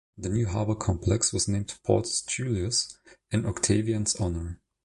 The new harbor-complex was named Portus Julius in Octavian's honour.